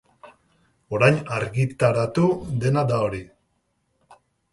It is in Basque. Orain argitaratu dena da hori.